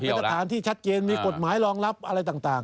เป็นตรฐานที่ชัดเจนมีกฎหมายรองรับอะไรต่าง